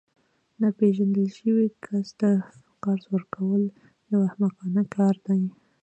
ناپیژندل شوي کس ته قرض ورکول یو احمقانه کار دی